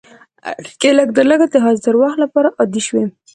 اړیکې لږترلږه د حاضر وخت لپاره عادي شوې.